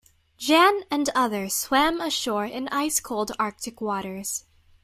Jan and others swam ashore in ice cold Arctic waters.